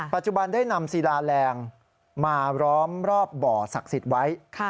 ปัจจุบันได้นำซีดาแรงมาล้อมรอบบ่อศักดิ์สิทธิ์ไว้